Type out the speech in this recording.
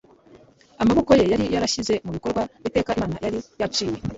amaboko ye yari yarashyize mu bikorwa iteka Imana yari yaciye